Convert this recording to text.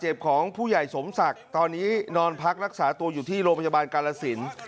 ของผู้ใหญ่สมศักดิ์ตอนนี้นอนพักรักษาตัวอยู่ที่โรงพยาบาลกาลสิน